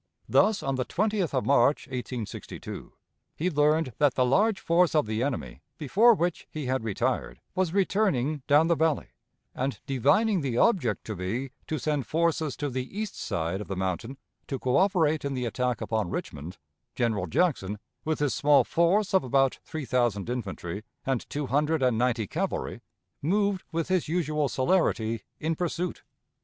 Thus, on the 20th of March, 1862, he learned that the large force of the enemy before which he had retired was returning down the Valley, and, divining the object to be to send forces to the east side of the mountain to coöperate in the attack upon Richmond, General Jackson, with his small force of about three thousand infantry and two hundred and ninety cavalry, moved with his usual celerity in pursuit.